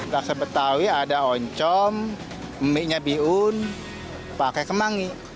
laksa betawi ada oncom mie nya bihun pakai kemangi